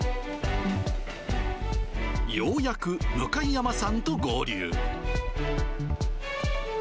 ようやく向山さんと合流。